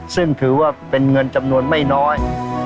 ซึ่งถือว่าเป็นเงินจำนวนไม่น้อย